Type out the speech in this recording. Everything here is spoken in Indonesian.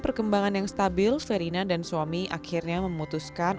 perkembangan yang stabil verina dan suami akhirnya memutuskan